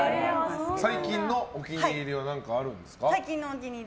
最近のお気に入りというかあるんですか。